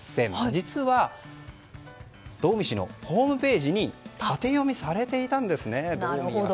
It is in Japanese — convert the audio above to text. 実は道見氏のホームページに縦読みされていたんですね。